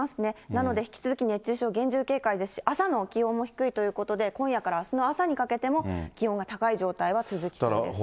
なので引き続き熱中症、厳重警戒ですし、朝の気温も低いということで、今夜からあすの朝にかけても、気温が高い状態が続きそうです。